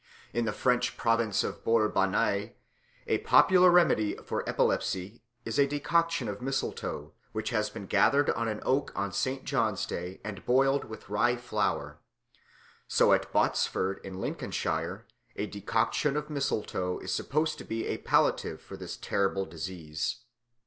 In the French province of Bourbonnais a popular remedy for epilepsy is a decoction of mistletoe which has been gathered on an oak on St. John's Day and boiled with rye flour. So at Bottesford in Lincolnshire a decoction of mistletoe is supposed to be a palliative for this terrible disease.